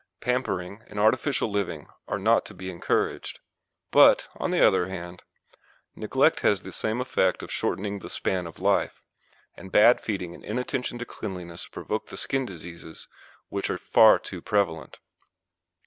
Pampering and artificial living are not to be encouraged; but, on the other hand, neglect has the same effect of shortening the span of life, and bad feeding and inattention to cleanliness provoke the skin diseases which are far too prevalent.